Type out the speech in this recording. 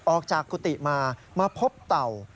ออกจากกุฏิมามาพบเต่า